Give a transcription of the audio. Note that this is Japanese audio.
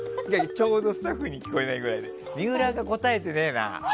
ちょうどスタッフに聞こえないぐらいで水卜が答えてねえな。